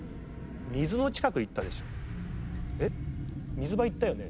水場行ったよね？